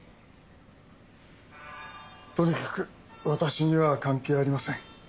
とにかく私には関係ありません。